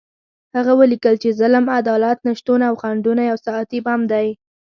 هغه ولیکل چې ظلم، عدالت نشتون او خنډونه یو ساعتي بم دی.